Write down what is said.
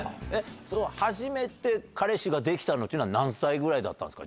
初めて彼氏ができたのっていうのは何歳ぐらいだったんですか？